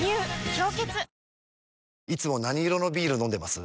「氷結」いつも何色のビール飲んでます？